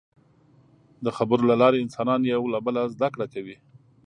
د خبرو له لارې انسانان یو له بله زدهکړه کوي.